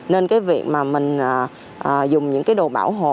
nên cái việc mà mình dùng những cái đồ bảo hộ